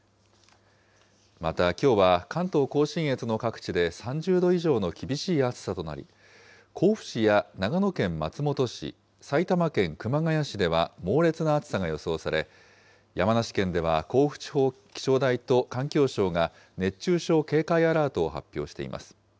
またきょうは、関東甲信越の各地で３０度以上の厳しい暑さとなり、甲府市や長野県松本市、埼玉県熊谷市では猛烈な暑さが予想され、山梨県では甲府地方気象台と環境省が熱中症警戒アラートを発表しています。